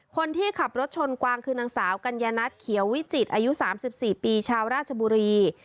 คนที่ขับรถชนกวางคือนางสาวกัญญนัทเขียววิจิตรอายุ๓๔ปีชาวราชบุรี